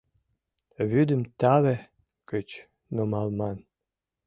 Вӱдым таве гыч нумалман.